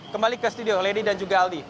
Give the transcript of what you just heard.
kembali ke studio lady dan juga aldi